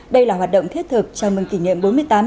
đây là hoạt động thiết thực chào mừng kỷ niệm